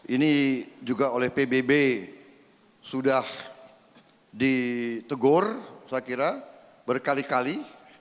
ini juga oleh pbb sudah ditegur saya kira berkali kali